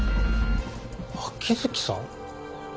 秋月さん？